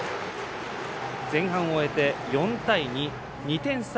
前半を終えて４対２、２点差。